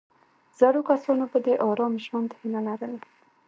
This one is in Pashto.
زړو کسانو به د آرام ژوند هیله لرله.